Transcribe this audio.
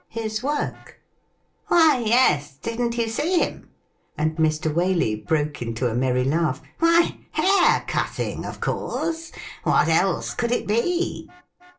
' His work ?'' Why, yes ; didn't you see him .?' And Mr. Waley broke into a merry laugh. ' Why, hair cutting, of course. What else could it be